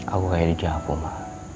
aku kayak di jakarta